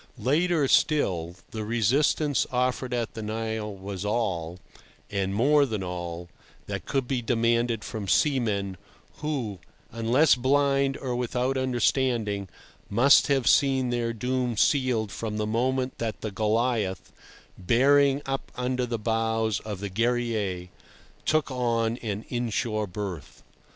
Later still, the resistance offered at the Nile was all, and more than all, that could be demanded from seamen, who, unless blind or without understanding, must have seen their doom sealed from the moment that the Goliath, bearing up under the bows of the Guerrier, took up an inshore berth.